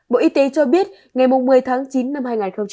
bộ y tế cho biết ngày một mươi tháng chín năm hai nghìn hai mươi